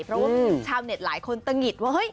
เพราะว่าชาวเน็ตหลายคนตะหงิดว่าเฮ้